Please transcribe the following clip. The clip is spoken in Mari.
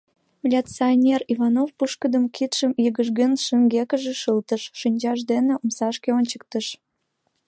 Милиционер Иванов пушкыдо кидшым йыгыжгын шеҥгекыже шылтыш, шинчаж дене омсашке ончыктыш.